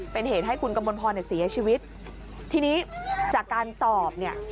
เป็นเหตุให้คุณกมลพรเนี่ยเสียชีวิตทีนี้จากการสอบเนี่ย